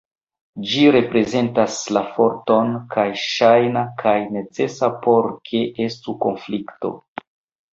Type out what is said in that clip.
Ĝi reprezentas la forton kaj ŝajna kaj necesa por ke estu konflikto.